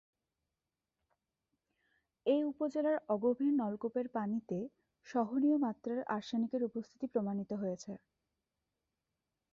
এ উপজেলার অগভীর নলকূপের পানিতে সহনীয় মাত্রার আর্সেনিকের উপস্থিতি প্রমাণিত হয়েছে।